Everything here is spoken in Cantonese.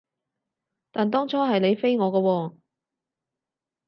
但當初係你飛我㗎喎